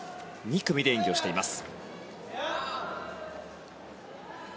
２組で演技をしています。